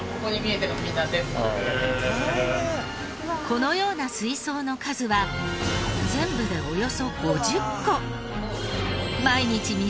このような水槽の数は全部でおよそ５０個。